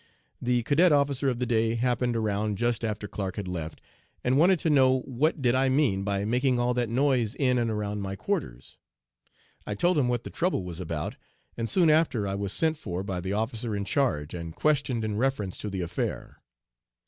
The cadet officer of the day 'happened around' just after Clark had left, and wanted to know what did I mean by making all that noise in and around my quarters. I told him what the trouble was about, and soon after I was sent for by the 'officer in charge,' and questioned in reference to the affair.